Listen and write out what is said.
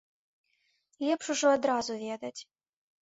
Лепш ужо адразу ведаць.